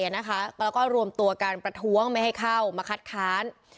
แล้วก็รวมตัวการประท้วงไม่ให้เข้ามาคัดค้าน